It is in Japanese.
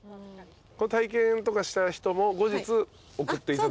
体験とかした人も後日送っていただける。